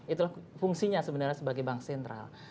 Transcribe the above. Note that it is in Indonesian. itulah fungsinya sebenarnya sebagai bank sentral